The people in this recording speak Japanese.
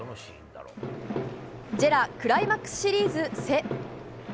ジェラクライマックスシリーズ・セ。